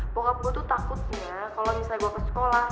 bokap gue tuh takutnya kalo misalnya gue ke sekolah